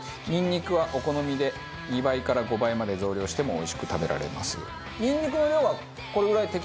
ニンニクはお好みで２倍から５倍まで増量してもおいしく食べられます。